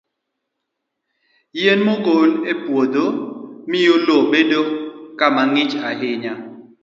Yien mogol e puodho miyo lowo bedo kama ok ng'ich ahinya.